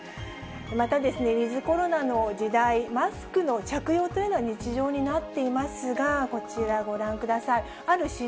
また、ウィズコロナの時代、マスクの着用というのが日常になっていますが、こちらご覧ください。